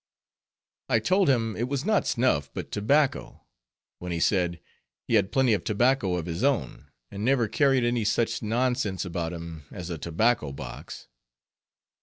I told him it was not snuff, but tobacco; when he said, he had plenty of tobacco of his own, and never carried any such nonsense about him as a tobacco box.